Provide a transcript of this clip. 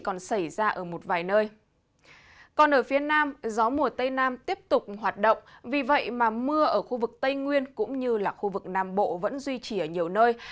còn ở phía nam gió mùa tây nam tiếp tục hoạt động vì vậy mà mưa ở khu vực tây nguyên cũng như là khu vực nam bộ vẫn duy trì ở nhiều nơi